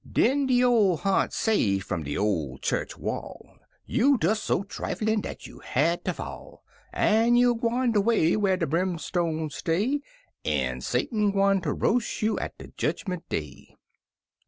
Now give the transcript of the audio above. Den de ol' ha'nt say, f'um de ol' chu'ch wall: "You des so triflin' dat you had ter fall! En you gwine de way Whar' de brimstone stay, En Satan gwine ter roas' you at de Jedgmint Day!"